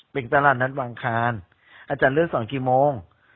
เป็นตลาดนัดวางคารอาจารย์เลื่อน๒กี่โมง